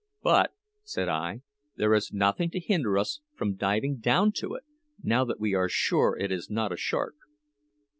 "But," said I, "there is nothing to hinder us from diving down to it, now that we are sure it is not a shark."